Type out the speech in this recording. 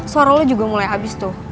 suara lo juga mulai abis tuh